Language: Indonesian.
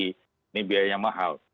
ini biayanya mahal